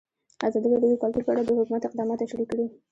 ازادي راډیو د کلتور په اړه د حکومت اقدامات تشریح کړي.